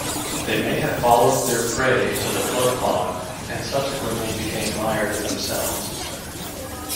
They may have followed their prey into the floodpond and subsequently became mired themselves.